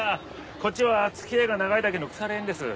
こっちは付き合いが長いだけの腐れ縁です。